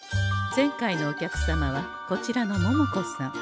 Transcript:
前回のお客様はこちらの桃子さん。